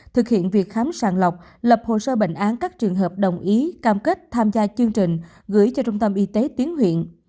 thực hiện việc khám sàng lọc lập hồ sơ bệnh án các trường hợp đồng ý cam kết tham gia chương trình gửi cho trung tâm y tế tuyến huyện